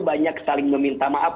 banyak saling meminta maaf